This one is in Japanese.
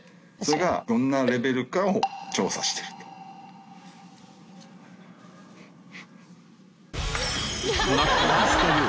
それがどんなレベルかを調査してると。